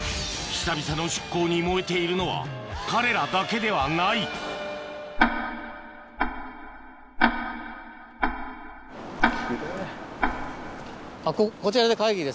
久々の出港に燃えているのは彼らだけではない奇麗。